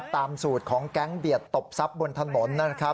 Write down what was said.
ตามสูตรของแก๊งเบียดตบทรัพย์บนถนนนะครับ